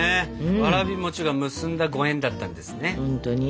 わらび餅が結んだご縁だったんですね。